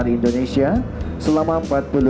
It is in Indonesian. yang berada di area taman sapari indonesia